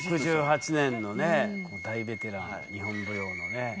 ６８年のね大ベテラン日本舞踊のね。